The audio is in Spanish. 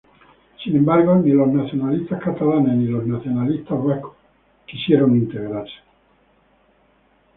Sin embargo ni los nacionalistas catalanes ni los nacionalistas vascos quisieron integrarse.